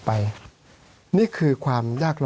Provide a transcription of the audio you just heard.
สวัสดีครับทุกคน